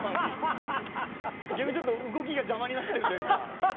逆にちょっと動きが邪魔になってるというか。